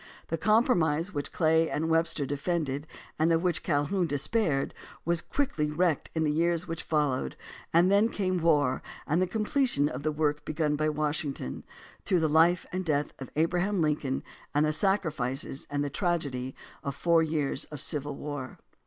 The compromise which Clay and Webster defended and of which Calhoun despaired was quickly wrecked in the years which followed, and then came war and the completion of the work begun by Washington, through the Hfe and death of Abraham Lincoln and the sacri fices and the tragedy of four years of civil war.